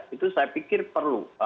itu saya pikir perlu